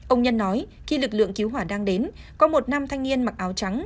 ông nhân nói khi lực lượng cứu hỏa đang đến có một nam thanh niên mặc áo trắng